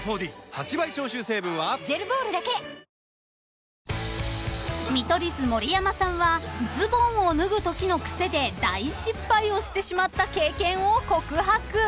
はぁ［見取り図盛山さんはズボンを脱ぐときの癖で大失敗をしてしまった経験を告白］